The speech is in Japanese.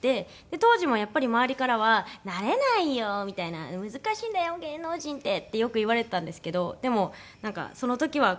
当時もやっぱり周りからは「なれないよ」みたいな「難しいんだよ芸能人って」ってよく言われてたんですけどでもなんかその時はこうそれを糧にして